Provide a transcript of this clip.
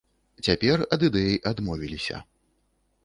Цяпер ад ідэі адмовіліся.